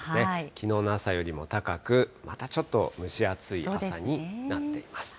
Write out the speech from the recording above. きのうの朝よりも高く、またちょっと蒸し暑い朝になっています。